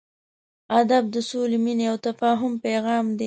ادب د سولې، مینې او تفاهم پیغام دی.